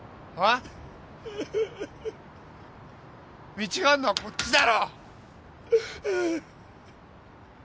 道があんのはこっちだろ！